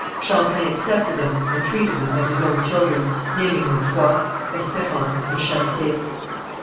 Champlain accepted them and treated them as his own children, naming them Foi, Espérance, and Charité.